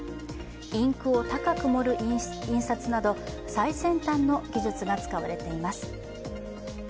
インクを高く盛る印刷など最先端の技術が使われています。